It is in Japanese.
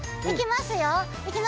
いきますよ。